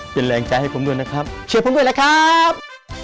เป็นแรงใจให้ผมด้วยนะครับเชื่อผมด้วยนะครับ